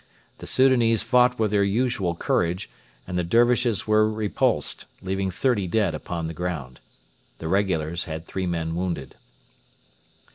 The Soudanese fought with their usual courage, and the Dervishes were repulsed, leaving thirty dead upon the ground. The regulars had three men wounded.